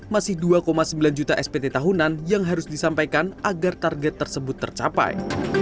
masih dua sembilan juta spt tahunan yang harus disampaikan agar target tersebut tercapai